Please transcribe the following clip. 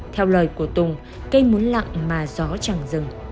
theo lời của tùng cây muốn lặng mà gió chẳng dừng